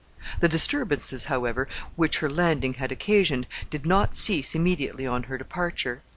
The disturbances, however, which her landing had occasioned, did not cease immediately on her departure.